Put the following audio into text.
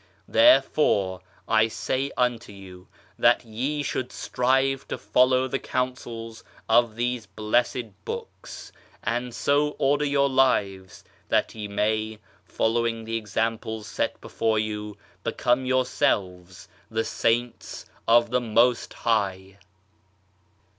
Therefore I say unto you that ye should strive to follow the counsels of these Blessed Books, and so order your lives that ye may, following the examples set before you, become yourselves the saints of the Most High!